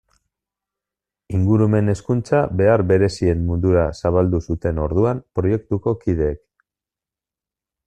Ingurumen hezkuntza behar berezien mundura zabaldu zuten orduan proiektuko kideek.